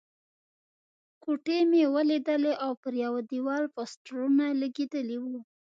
کوټې مې ولیدلې او پر یوه دېوال پوسټرونه لګېدلي وو.